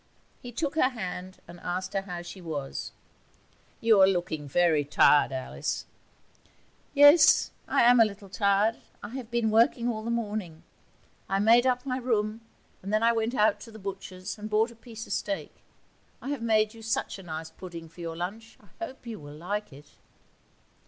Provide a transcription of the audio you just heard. He took her hand and asked her how she was. 'You are looking very tired, Alice.' 'Yes, I'm a little tired. I have been working all the morning. I made up my room, and then I went out to the butcher's and bought a piece of steak. I have made you such a nice pudding for your lunch; I hope you will like it.'